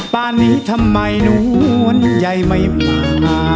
บ้านนี้ทำไมน้วนใหญ่ไม่มา